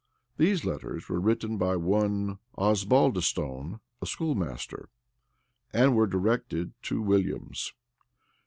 These letters were written by one Osbaldistone, a schoolmaster, and were directed to Williams.